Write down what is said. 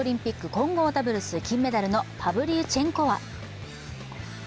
混合ダブルス金メダルのパブリウチェンコワ。